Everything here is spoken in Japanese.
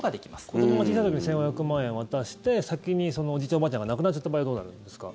子どもが小さい時に１５００万円を渡して先におじいちゃん、おばあちゃんが亡くなっちゃった場合どうなるんですか？